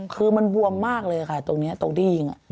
คือมันบวมมากเลยค่ะตรงนี้ตรงที่ยิง